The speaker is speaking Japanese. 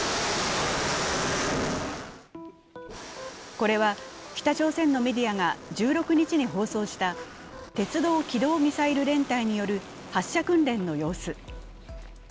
これは、北朝鮮のメディアが１６日に放送した鉄道機動ミサイル連隊による発射訓練の様子。